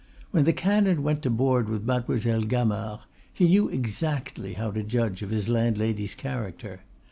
When the canon went to board with Mademoiselle Gamard he knew exactly how to judge of his landlady's character.